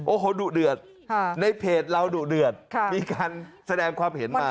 โอ้โหดุเดือดในเพจเราดุเดือดมีการแสดงความเห็นมา